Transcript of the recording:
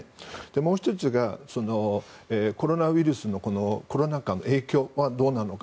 もう１つがコロナウイルスコロナ禍の影響はどうなのか